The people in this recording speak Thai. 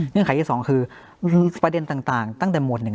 เนื่องไขที่สองคือประเด็นต่างต่างตั้งแต่โหมดหนึ่ง